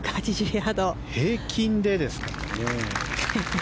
平均でですから。